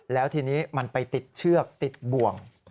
แล้วทีนี้มันไปติดเชือกติดบ่วง